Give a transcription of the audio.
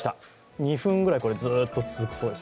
２分ぐらい、ずっと続くそうです。